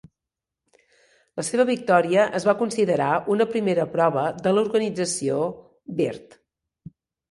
La seva victòria es va considerar una primera prova de l'Organització Byrd.